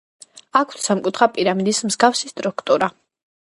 აქვთ სამკუთხა პირამიდის მსგავსი სტრუქტურა.